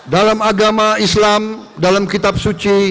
dalam agama islam dalam kitab suci